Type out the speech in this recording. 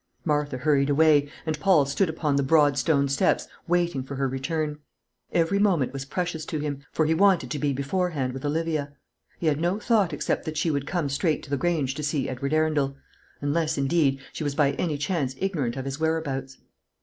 Martha hurried away, and Paul stood upon the broad stone steps waiting for her return. Every moment was precious to him, for he wanted to be beforehand with Olivia. He had no thought except that she would come straight to the Grange to see Edward Arundel; unless, indeed, she was by any chance ignorant of his whereabouts.